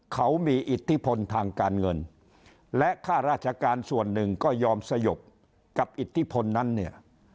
เขามีอิทธิพลทางการเงินและค่าราชการส่วนหนึ่งก็ยอมสยบกับอิทธิพลนั้นเนี่ย